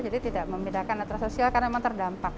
jadi tidak membedakan antra sosial karena memang terdampak